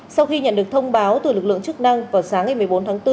sau khi nhận được thông báo từ lực lượng chức năng vào sáng ngày một mươi bốn tháng bốn